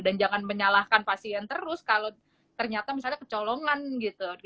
dan jangan menyalahkan pasien terus kalau ternyata misalnya kecolongan gitu